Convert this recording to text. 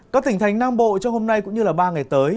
các tỉnh thành nam bộ trong hôm nay cũng như ba ngày tới